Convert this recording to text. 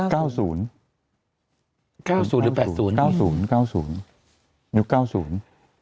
เก้าศูนย์เก้าศูนหรือแปดศูนย์เก้าศูนย์เก้าศูนย์ยุคเก้าศูนย์